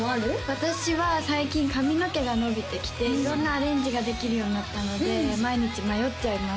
私は最近髪の毛が伸びてきて色んなアレンジができるようになったので毎日迷っちゃいます